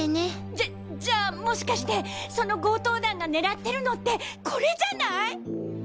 じゃじゃあもしかしてその強盗団が狙ってるのってこれじゃない？